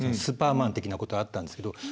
スーパーマン的なことあったんですけど。